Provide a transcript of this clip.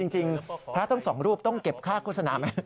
จริงพระทั้งสองรูปต้องเก็บค่าโฆษณาไหม